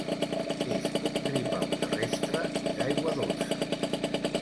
És un gripau terrestre i d'aigua dolça.